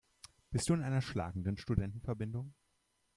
Bist du in einer schlagenden Studentenverbindung?